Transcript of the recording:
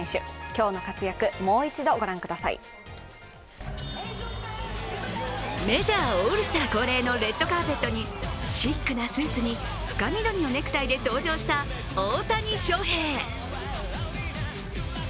今日の活躍、もう一度御覧くださいメジャー、オールスター恒例のレッドカーペットにシックなスーツに深緑のネクタイで登場した大谷翔平。